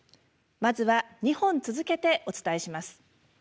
まずは２本続けてお伝えします。